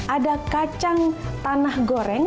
ada kacang tanah goreng